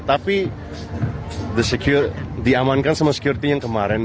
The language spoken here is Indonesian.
tapi diamankan sama security yang kemarin